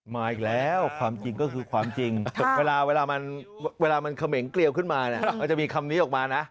มาอีกแล้วความจริงก็คือความจริงเวลามันเวลามันเขมงเกลียวขึ้นมาเนี่ยมันจะมีคำนี้ออกมานะ